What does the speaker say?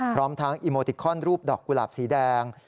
พร้อมทั้งอีโมติคอนรูปดอกกุหลาบสีแดง